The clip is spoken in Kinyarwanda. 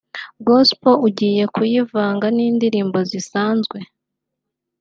Gospel ugiye kuyivanga n’indirimbo zisanzwe